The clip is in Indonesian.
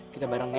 kita bareng ya